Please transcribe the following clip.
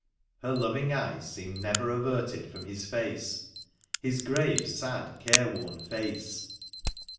Her loving eyes seemed never averted from his face ; his grave, sad, care worn face.